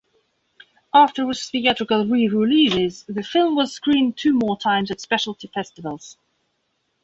After its theatrical re-releases, the film was screened two more times at specialty festivals.